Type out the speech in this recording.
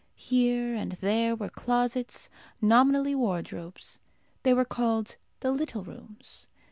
Here and there were closets, nominally wardrobes. They were called "The Little Rooms."